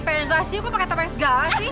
pengen glasio kok pakai topeng segala sih